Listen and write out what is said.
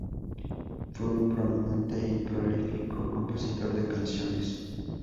Fue un prominente y prolífico compositor de canciones.